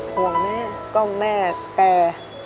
ห่วงแม่ก็แม่แต่